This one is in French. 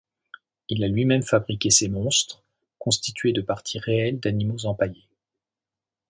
Il a lui-même fabriqué ces monstres, constitués de parties réelles d'animaux empaillés.